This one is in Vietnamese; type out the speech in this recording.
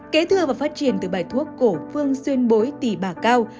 kế thưa và phát triển từ bài thuốc cổ phương xuyên bối tỷ bà cao